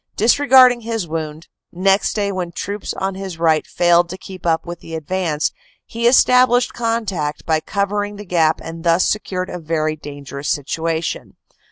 Dis regarding his wound, next day when troops on his right failed to keep up with the advance, he established contact by cover ing the gap and thus secured a very dangerous situation.